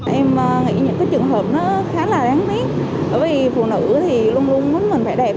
em nghĩ những trường hợp khá là đáng tiếc vì phụ nữ luôn luôn mình phải đẹp